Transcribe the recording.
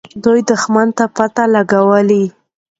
دوی دښمن ته پته لګولې.